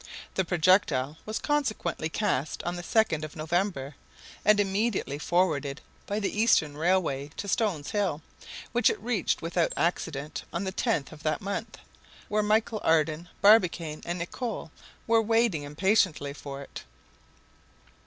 The projectile was consequently cast on the 2nd of November, and immediately forwarded by the Eastern Railway to Stones Hill, which it reached without accident on the 10th of that month, where Michel Ardan, Barbicane, and Nicholl were waiting impatiently for it.